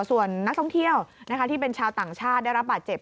ส่วนนักท่องเที่ยวที่เป็นชาวต่างชาติได้รับบาดเจ็บ